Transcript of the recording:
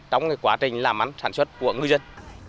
trong quá trình làm mắn sản xuất của ngư dân